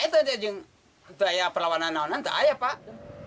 itu aja perlawanan perlawanan itu aja pak